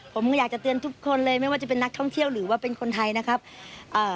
ผมอยากจะเตือนทุกคนเลยไม่ว่าจะเป็นนักท่องเที่ยวหรือว่าเป็นคนไทยนะครับเอ่อ